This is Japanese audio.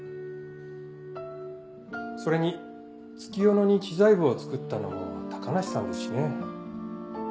それに月夜野に知財部をつくったのも高梨さんですしね。